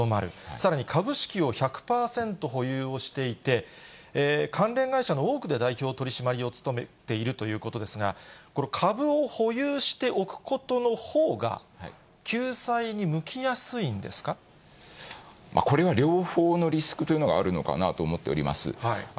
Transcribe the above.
さらに株式を１００％保有をしていて、関連会社の多くで代表取締役を務めているということですが、これ、株を保有しておくことのほうが、これは両方のリスクというのがあるのかなと思っております。